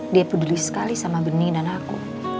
dia peduli sekali sama benih dan aku